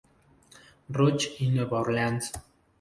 Roch y Nueva Orleans.